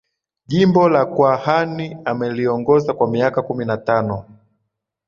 Jimbo la Kwahani ameliongoza kwa miaka kumi na tano